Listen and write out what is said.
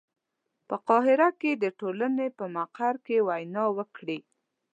په قاهره کې د ټولنې په مقر کې وینا وکړي.